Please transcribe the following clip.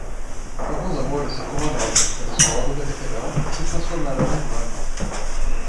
Alguns amores são como a neve: eles logo derreterão e se transformarão em lama.